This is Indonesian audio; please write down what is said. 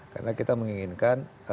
karena kita menginginkan